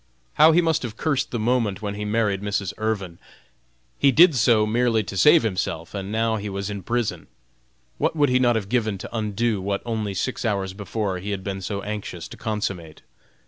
How he must have cursed the moment when he married Mrs. Irvin. He did so merely to save himself, and now he was in prison! What would he not have given to undo what only six hours before he had been so anxious to consummate!